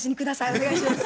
お願いします。